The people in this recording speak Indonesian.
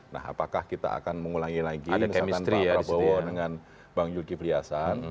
nah apakah kita akan mengulangi lagi misalkan pak prabowo dengan bang zulkifli hasan